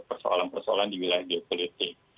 dan persoalan persoalan di wilayah geopolitik